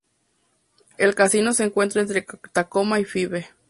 El casino se encuentra entre Tacoma y Fife.